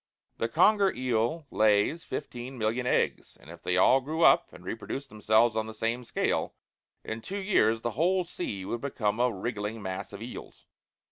The conger eel lays fifteen million eggs, and if they all grew up, and reproduced themselves on the same scale, in two years the whole sea would become a wriggling mass of eels.